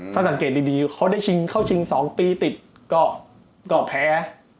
ถ้าสังเกตดีเขาได้ชิงเข้าชิง๒ปีติดก็แพ้